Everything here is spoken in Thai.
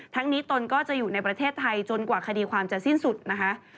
ทั้งนี้ตนก็จะอยู่ในประเทศไทยจนกว่าคดีความจะสิ้นสุดนะคะ